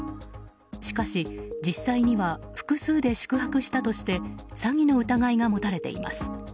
しかし、実際には複数で宿泊したとして詐欺の疑いが持たれています。